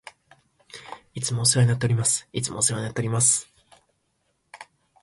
いつもお世話になっております。いつもお世話になっております。